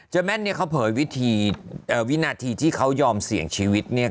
เจอแม่นเขาเผยวินาทีที่เขายอมเสี่ยงชีวิต